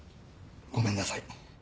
ごめんなさい。